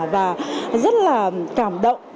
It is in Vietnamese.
và rất là cảm động